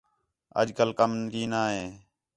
اَڄ کل کَم کینا ہِے